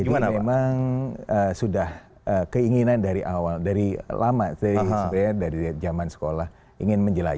jadi memang sudah keinginan dari awal dari lama dari sebenarnya dari zaman sekolah ingin menjelajah